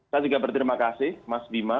saya juga berterima kasih mas bima